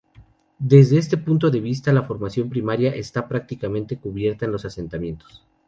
Desde este punto de vista la formación primaria está prácticamente cubierta en los asentamientos.